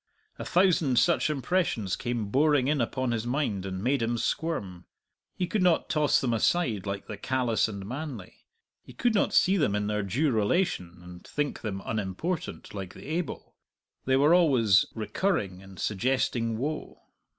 A thousand such impressions came boring in upon his mind and made him squirm. He could not toss them aside like the callous and manly; he could not see them in their due relation, and think them unimportant, like the able; they were always recurring and suggesting woe.